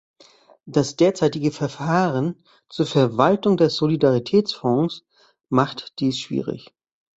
Das derzeitige Verfahren zur Verwaltung des Solidaritätsfonds macht dies schwierig.